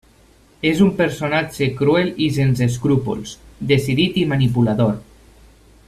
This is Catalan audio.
És un personatge cruel i sense escrúpols, decidit i manipulador.